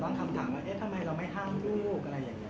พวกมันจะต้องคำถามว่าเอ๊ะทำไมเราไม่ห้ามลูกอะไรอย่างเงี้ย